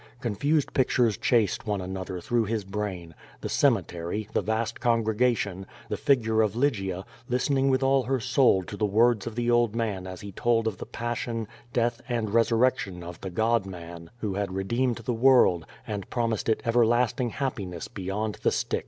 Confused pictures chased one another through his brain — the cemetery, the vast congregation, the figure of Lygia, listening with all her soul to the words of the old man as he told of the passion, death, and resurrection of the God man, who had redeemed the world, and promised it everlasting happiness beyond the Styx.